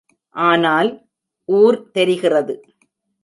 ஆனால் ஊர் தெரிகிறது.